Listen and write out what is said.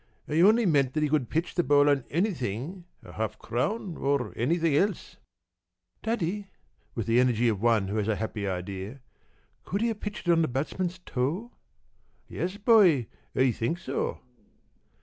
p> "I only meant that he could pitch the ball on anything a half crown or anything else." "Daddy," with the energy of one who has a happy idea. "Could he have pitched it on the batsman's toe?" "Yes, boy, I think so."